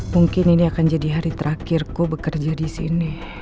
mungkin ini akan jadi hari terakhir ku bekerja disini